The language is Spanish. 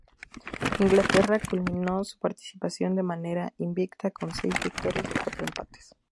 Inglaterra culminó su participación de manera invicta con seis victorias y cuatro empates.